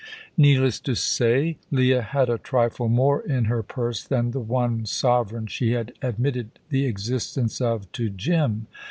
Needless to say, Leah had a trifle more in her purse than the one sovereign she had admitted the existence of to Jim.